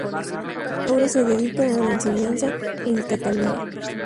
Ahora se dedica a la enseñanza en Cataluña.